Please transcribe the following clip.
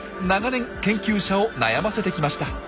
長年研究者を悩ませてきました。